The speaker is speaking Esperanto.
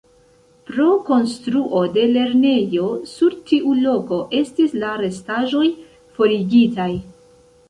Pro konstruo de lernejo sur tiu loko estis la restaĵoj forigitaj.